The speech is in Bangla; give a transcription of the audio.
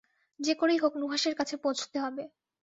যে করেই হােক নুহাশের কাছে পৌঁছতে হবে।